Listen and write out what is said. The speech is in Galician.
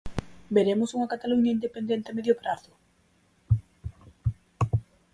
Veremos unha Cataluña independente a medio prazo?